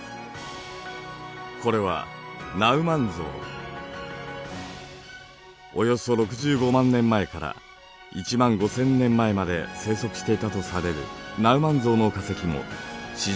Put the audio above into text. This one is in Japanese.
これはおよそ６５万年前から１万５，０００年前まで生息していたとされるナウマンゾウの化石も示準化石の一つです。